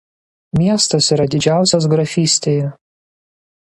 Miestas yra didžiausias grafystėje.